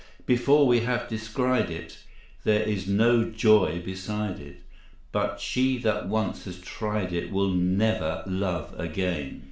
Before we have descried it, There is no joy beside it, But she that once has tried it Will never love again.